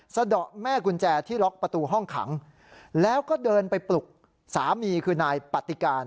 สะดอกแม่กุญแจที่ล็อกประตูห้องขังแล้วก็เดินไปปลุกสามีคือนายปฏิการ